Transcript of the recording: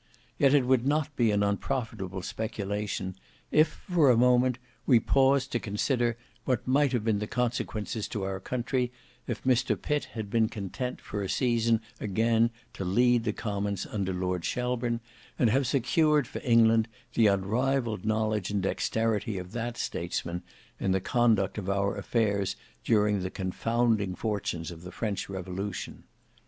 Yet it would not be an unprofitable speculation if for a moment we paused to consider what might have been the consequences to our country if Mr Pitt had been content for a season again to lead the Commons under Lord Shelburne, and have secured for England the unrivalled knowledge and dexterity of that statesman in the conduct of our affairs during the confounding fortunes of the French revolution.